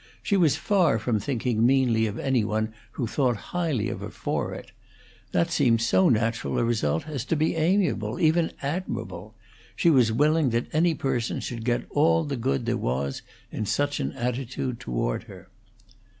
She was far from thinking meanly of any one who thought highly of her for it; that seemed so natural a result as to be amiable, even admirable; she was willing that any such person should get all the good there was in such an attitude toward her.